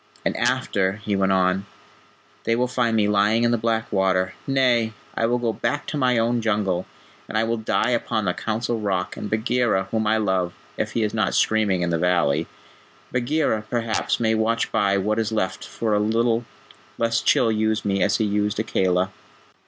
"And after," he went on, "they will find me lying in the black water. Nay, I will go back to my own Jungle, and I will die upon the Council Rock, and Bagheera, whom I love, if he is not screaming in the valley Bagheera, perhaps, may watch by what is left for a little, lest Chil use me as he used Akela."